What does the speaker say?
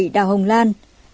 bảy đào hồng lan